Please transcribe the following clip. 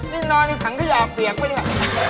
นี่นอนอีกครั้งก็อย่าอาบเหลียงไหมเนี่ย